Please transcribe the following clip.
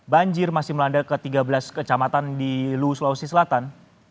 banjir masih melanda ke tiga belas kecamatan di sulawesi selatan